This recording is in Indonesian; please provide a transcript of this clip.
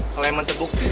kalau emang ada bukti